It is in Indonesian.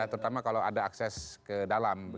terutama kalau ada akses ke dalam